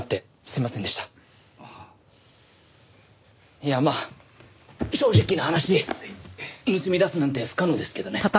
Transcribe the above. いやまあ正直な話盗み出すなんて不可能ですけどね。